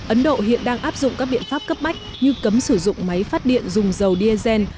ấn độ hiện đang áp dụng các biện pháp cấp bách như cấm sử dụng máy phát điện dùng dầu diesel